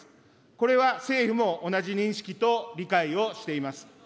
これは政府も同じ認識と理解をしています。